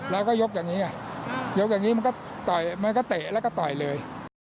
เราก็ยกอย่างนี้มันก็เตะแล้วก็ต่อยเลย